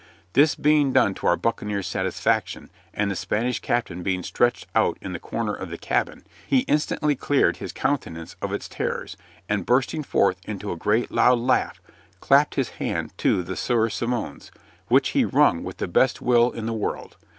This being done to our buccaneer's satisfaction, and the Spanish captain being stretched out in the corner of the cabin, he instantly cleared his countenance of its terrors, and bursting forth into a great loud laugh, clapped his hand to the Sieur Simon's, which he wrung with the best will in the world.